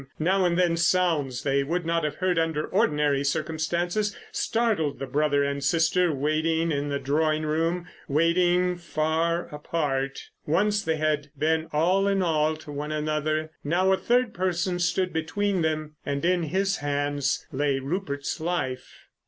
Now and then sounds they would not have heard under ordinary circumstances startled the brother and sister waiting in the drawing room—waiting far apart. Once they had been all in all to one another; now a third person stood between them, and in his hands lay Rupert's life.